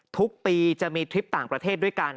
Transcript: ทุกปีจะมีทริปต่างประเทศด้วยกัน